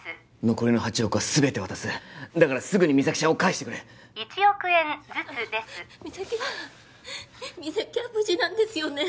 残りの８億は全て渡すだからすぐに実咲ちゃんを返してくれ１億円ずつです実咲は実咲は無事なんですよね？